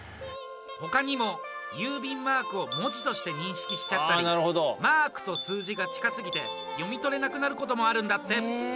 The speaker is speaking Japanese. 他にも郵便マークを文字として認識しちゃったりマークと数字が近すぎて読み取れなくなることもあるんだって。